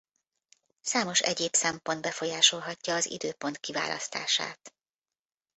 Számos egyéb szempont befolyásolhatja az időpont kiválasztását.